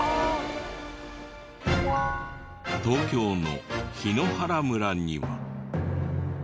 東京の檜原村には。